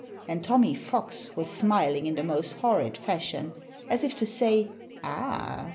And Tommy Fox was smiling in the most horrid fashion, as if to say "Ah!